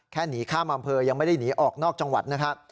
หนีข้ามอำเภอยังไม่ได้หนีออกนอกจังหวัดนะครับ